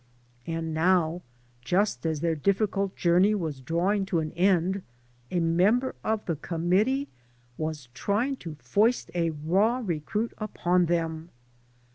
And now, just as their difficult journey was drawing to an end, a member of the committee was trying to foist a raw recruit upon them.